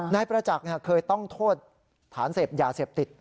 นายประจักษ์เคยต้องโทษฐานเสพยาเสพติด